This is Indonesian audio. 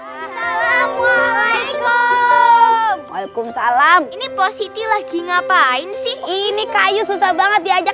assalamualaikum waalaikumsalam ini positif lagi ngapain sih ini kayu susah banget diajak